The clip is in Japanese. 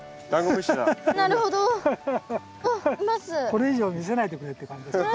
これ以上見せないでくれって感じですね。